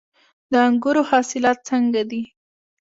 د انګورو حاصلات څنګه دي؟